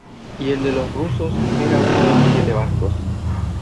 ¿ y el de los rusos era uno de los siete barcos?